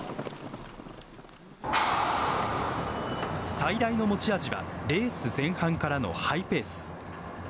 最大の持ち味はレース前半からのハイペース。